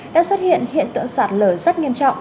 đã xuất hiện hiện tượng sạt lở rất nghiêm trọng